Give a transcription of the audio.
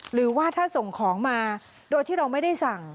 หรือว่าถ้าส่งของมาโดยที่เราไม่ได้สั่ง